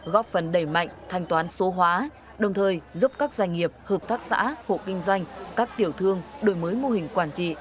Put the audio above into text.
góp phần đẩy mạnh thanh toán số hóa đồng thời giúp các doanh nghiệp hợp tác xã hộ kinh doanh các tiểu thương đổi mới mô hình quản trị